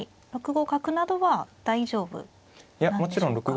６五角などは大丈夫なんでしょうか。